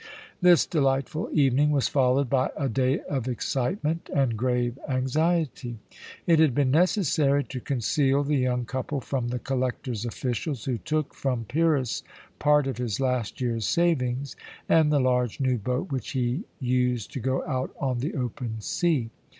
This delightful evening was followed by a day of excitement and grave anxiety. It had been necessary to conceal the young couple from the collector's officials, who took from Pyrrhus part of his last year's savings, and the large new boat which he used to go out on the open sea.